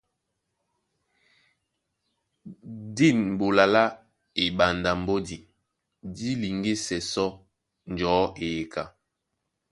Dîn ɓola lá eɓanda mbódi dí liŋgísɛ sɔ́ njɔ̌ eyeka.